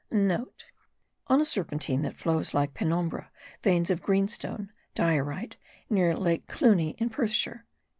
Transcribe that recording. (* On a serpentine that flows like a penombre, veins of greenstone (diorite) near Lake Clunie in Perthshire.